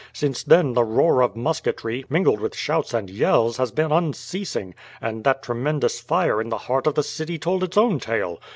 Since then the roar of musketry, mingled with shouts and yells, has been unceasing, and that tremendous fire in the heart of the city told its own tale.